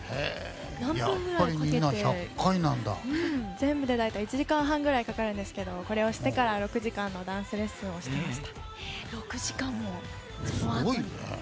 全部で大体１時間半くらいかかるんですけどこれをしてから６時間のダンスレッスンをしてました。